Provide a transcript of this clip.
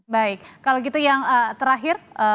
baik kalau gitu yang terakhir